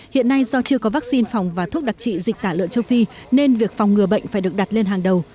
hiện nay do chưa có vaccine phòng và thuốc đặc trị dịch tả lợn châu phi nên việc phòng ngừa bệnh phải được đặt lên hàng đầu